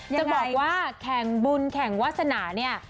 จะบอกว่าแข่งบุญแข่งวาสนาเนี่ย